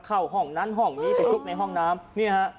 เข้าห้องนั้นห้องนี้ไปซุกในห้องไหน